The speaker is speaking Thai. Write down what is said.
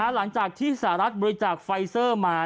หลังจากที่สหรัฐบริจาคไฟเซอร์มา